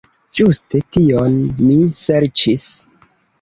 Ĝuste tion mi serĉis.